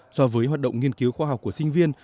so với hoạt động nghiên cứu khoa học của sinh viên